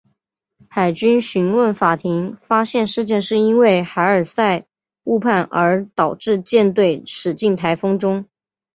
海军讯问法庭发现事件是因为海尔赛误判而导致舰队驶进台风中。